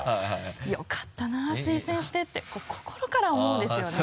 「よかったな推薦して」ってこう心から思うんですよね。